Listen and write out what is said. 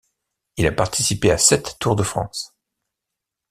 Il a participé à sept Tours de France.